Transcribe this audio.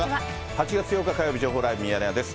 ８月８日火曜日、情報ライブミヤネ屋です。